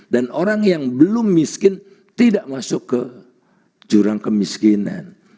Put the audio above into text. dan orang yang belum miskin tidak masuk ke jurang kemiskinan